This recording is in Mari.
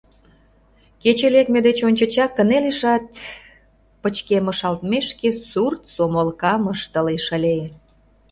Кече лекме деч ончычак кынелешат, пычкемышалтмешке, сурт сомылкам ыштылеш ыле.